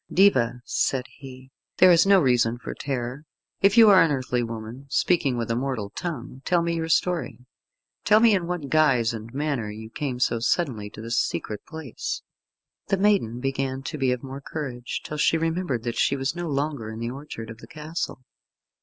"Diva," said he, "there is no reason for terror. If you are an earthly woman, speaking with a mortal tongue, tell me your story. Tell me in what guise and manner you came so suddenly to this secret place." The maiden began to be of more courage, till she remembered that she was no longer in the orchard of the castle.